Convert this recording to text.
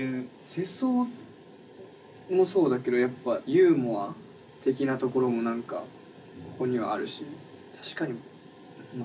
世相もそうだけどやっぱユーモア的なところも何かここにはあるし。